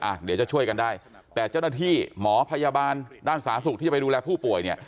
เดี๋ยวจะช่วยกันได้แต่เจ้าหน้าที่หมอพยาบาลด้านสาธารณสุขที่จะไปดูแลผู้ป่วยเนี่ย